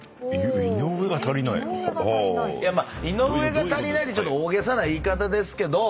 「井上が足りない」ってちょっと大げさな言い方ですけど。